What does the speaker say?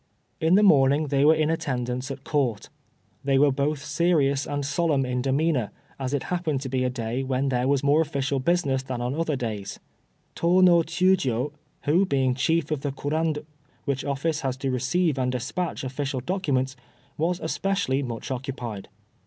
In the morning they were in attendance at Court. They were both serious and solemn in demeanor, as it happened to be a day when there was more official business than on other days; Tô no Chiûjiô (who being chief of the Kurand, which office has to receive and despatch official documents) was especially much occupied.